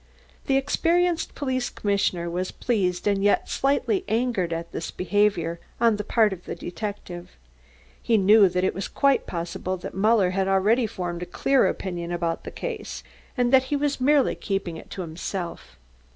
The experienced police commissioner was pleased and yet slightly angered at this behaviour on the part of the detective. He knew that it was quite possible that Muller had already formed a clear opinion about the case, and that he was merely keeping it to himself.